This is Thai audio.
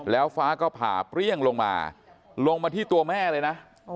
แล้วฟ้าก็ผ่าเปรี้ยงลงมาลงมาที่ตัวแม่เลยนะ